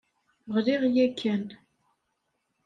Ɣliɣ yakan.